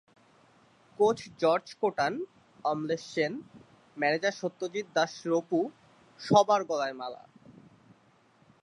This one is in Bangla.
Coach George Kotan, Amalesh Sen, manager Satyajit Das রুপু—সবার গলায় মালা।